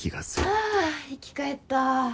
はぁ生き返った。